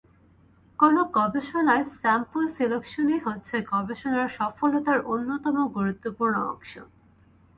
কোন গবেষণায় স্যাম্পল সিলেকশনই হচ্ছে গবেষণার সফলতার অন্যতম গুরুত্বপূর্ণ অংশ।